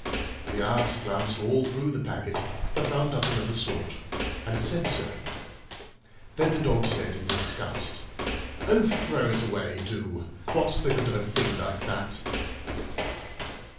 The Ass glanced all through the packet, but found nothing of the sort, and said so. Then the Dog said in disgust, "Oh, throw it away, do: what's the good of a thing like that?"